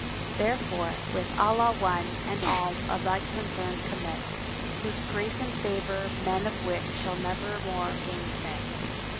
Therefore with Allah one and all of thy concerns commit * Whose grace and favour men of wit shall nevermore gainsay."